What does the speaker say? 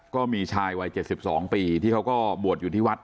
ก็มีชายวัย๗๒ปีที่เขาก็บวชอยู่ที่วัด